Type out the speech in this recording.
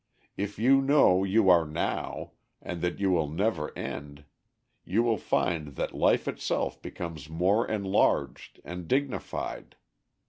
If you know you are now, and that you will never end, you will find that life itself becomes more enlarged and dignified.